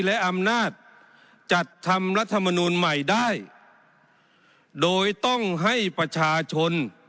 และอำนาจจัดทำรัฐมนูลใหม่ได้โดยต้องให้ประชาชน